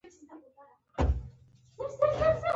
له معبودانو سره هم په اړیکه کې و